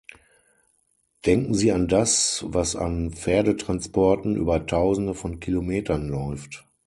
Denken Sie an das, was an Pferdetransporten über Tausende von Kilometern läuft!